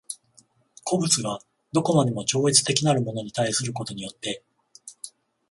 個物が何処までも超越的なるものに対することによって